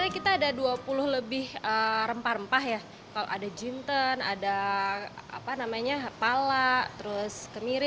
kita ada dua puluh lebih rempah rempah ya kalau ada jinten ada apa namanya pala terus kemiri